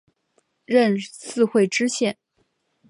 任四会知县。